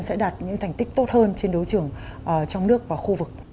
sẽ đạt những thành tích tốt hơn trên đấu trường trong nước và khu vực